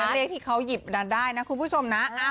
เลขที่เขาหยิบดันได้นะคุณผู้ชมนะ